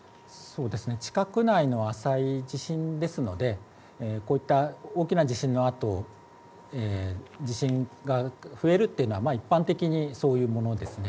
地殻内の浅い地震ですのでこうした大きな地震のあと地震が増えるというのは一般的にそういうものですね。